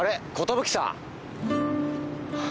寿さん。